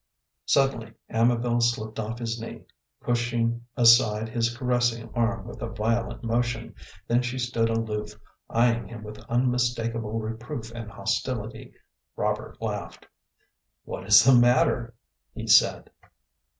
Suddenly Amabel slipped off his knee, pushing aside his caressing arm with a violent motion. Then she stood aloof, eying him with unmistakable reproof and hostility. Robert laughed. "What is the matter?" he said.